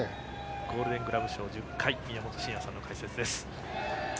ゴールデン・グラブ賞１０回宮本慎也さんの解説です。